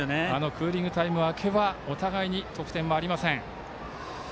クーリングタイム明けはお互いに得点はありません。